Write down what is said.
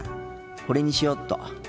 これにしよっと。